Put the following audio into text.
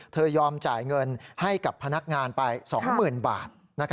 ยอมจ่ายเงินให้กับพนักงานไป๒๐๐๐บาท